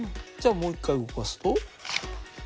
じゃあもう一回動かすと。